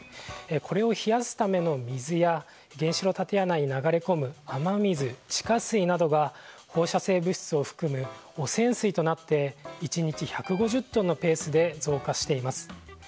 これを冷やすための水や原子炉建屋内に流れ込む雨水や地下水などが汚染水となって１日１５０トンのペースで増加しています。